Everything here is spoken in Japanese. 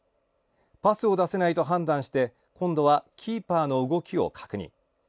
パスを出せないと判断して今度はキーパーの動きを確認。